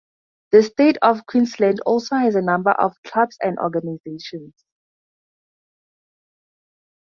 The state of Queensland also has a number of clubs and organisations.